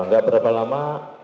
gak berapa lama